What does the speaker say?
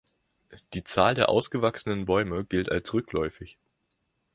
Die Zahl der ausgewachsenen Bäumen gilt als rückläufig.